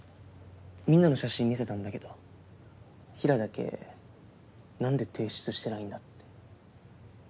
みんなの写真見せたんだけど平良だけなんで提出してないんだって。